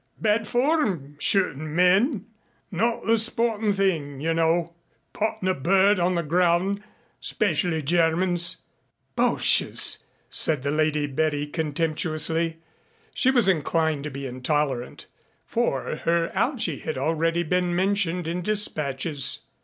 Bad form shootin' men not the sportin' thing, you know pottin' a bird on the ground 'specially Germans." "Boches!" said Lady Betty contemptuously. She was inclined to be intolerant. For her Algy had already been mentioned in dispatches.